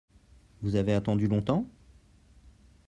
Vous avez attendu longtemps ?